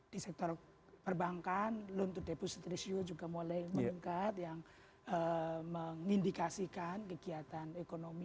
di sektor perbankan loan to deposit ratio juga mulai meningkat yang mengindikasikan kegiatan ekonomi